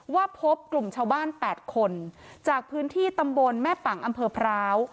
ว่าพบกลุ่มชาวบ้าน๘คนจากพื้นที่ตำบลแม่ปังอำเภอพร้าว